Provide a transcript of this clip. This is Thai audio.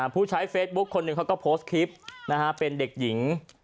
ผู้ใช้เฟซบุ๊คคนหนึ่งเขาก็โพสต์คลิปเป็นเด็กหญิง